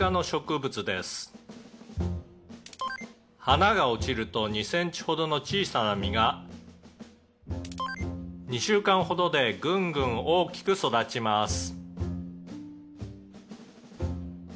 「花が落ちると２センチほどの小さな実が２週間ほどでぐんぐん大きく育ちます」